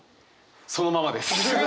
そのままです。